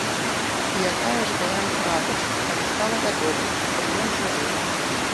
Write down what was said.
І якая ж была іх радасць, калі стала вядома, што ён жывы.